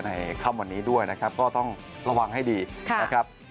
ค่ำวันนี้ด้วยนะครับก็ต้องระวังให้ดีนะครับ